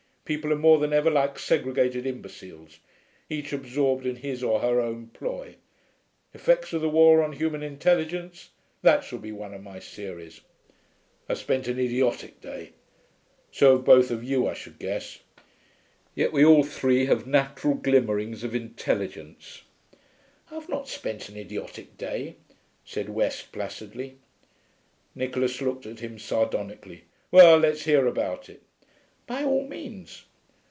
People are more than ever like segregated imbeciles, each absorbed in his or her own ploy. Effects of the War on Human Intelligence: that shall be one of my series. I've spent an idiotic day. So have both of you, I should guess. Yet we all three have natural glimmerings of intelligence.' 'I've not spent an idiotic day,' said West placidly. Nicholas looked at him sardonically. 'Well, let's hear about it.' 'By all means.'